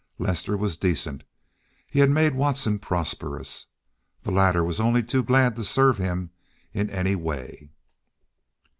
Lester was decent. He had made Watson prosperous. The latter was only too glad to serve him in any way.